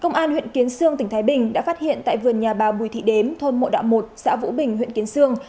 công an huyện kiến sương tỉnh thái bình đã phát hiện tại vườn nhà bà bùi thị đếm thôn mộ đạo một xã vũ bình huyện kiến sương